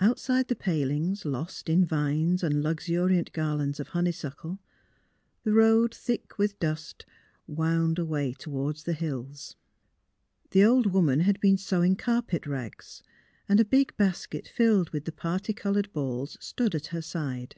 Outside the palings, lost in vines and luxuriant garlands of honeysuckle, the road thick with dust wound away toward the hills. The old woman had been sewing carpet rags and a big basket filled with the parti coloured balls stood at her side.